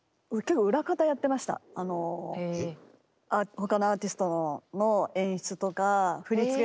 他のアーティストの演出とか振り付けとか。